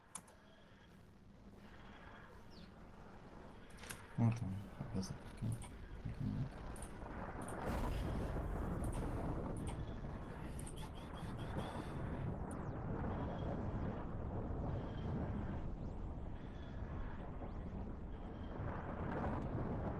وَالْبَيَانُ فِي مَعْنَى التَّشَادُقِ